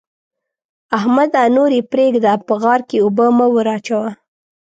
احمده! نور يې پرېږده؛ په غار کې اوبه مه وراچوه.